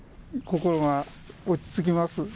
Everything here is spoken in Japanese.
心が落ち着きます